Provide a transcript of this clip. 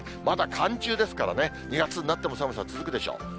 まだ寒中ですからね、２月になっても寒さ続くでしょう。